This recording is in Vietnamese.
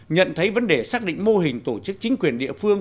nhận thấy vấn đề xác định mô hình tổ chức chính quyền địa phương